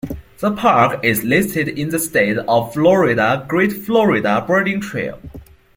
The park is listed in the state of Florida Great Florida Birding Trail.